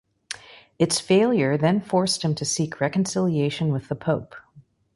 Its failure then forced him to seek reconciliation with the Pope.